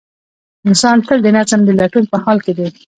انسان تل د نظم د لټون په حال کې دی.